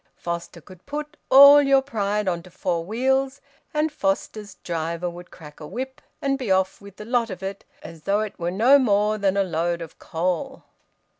Foster could put all your pride on to four wheels, and Foster's driver would crack a whip and be off with the lot of it as though it were no more than a load of coal.